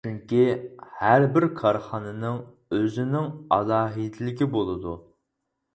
چۈنكى ھەر بىر كارخانىنىڭ ئۆزىنىڭ ئالاھىدىلىكى بولىدۇ.